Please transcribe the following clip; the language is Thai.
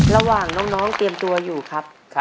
ระหว่างน้องเตรียมตัวอยู่ครับ